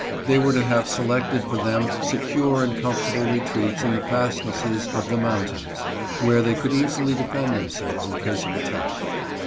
They were to have selected for them secure and comfortable retreats in the fastnesses of the mountains, where they could easily defend themselves in case of attack.